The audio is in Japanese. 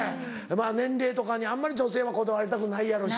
年齢とかにあんまり女性はこだわりたくないやろうし。